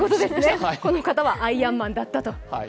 この方はアイアンマンだったと。